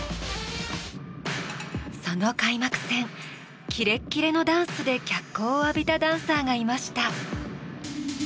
その開幕戦キレッキレのダンスで脚光を浴びたダンサーがいました。